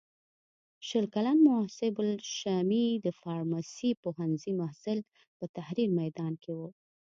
شل کلن مصعب الشامي د فارمسۍ پوهنځي محصل په تحریر میدان کې و.